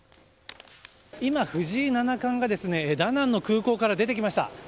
今、藤井七冠がダナンの空港から出てきました。